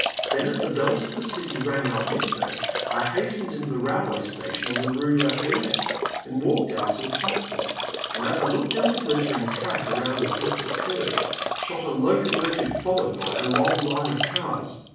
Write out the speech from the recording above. Then as the bells of the city rang out mid day, I hastened into the railroad station on the Rue I<afayette and walked out to the platform. And as I looked down the glittering track, around the distant curve shot a locomotive followed by a long line of cars.